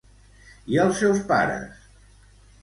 I els seus pares?